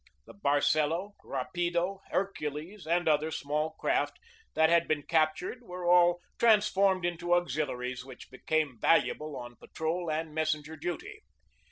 The Barcelo, Rapido, Hercules, and other small craft that had been captured were all trans formed into auxiliaries which became valuable on patrol and messenger duty.